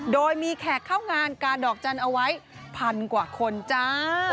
โดยมีแขกเข้างานกาดอกจันทร์เอาไว้พันกว่าคนจ้า